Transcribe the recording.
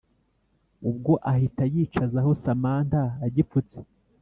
ubwo ahita yicazaho samantha agipfutse